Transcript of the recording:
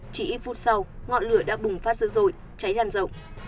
chỉ ít phút sau ngọn lửa đã bùng phát dữ dội trái đàn rộng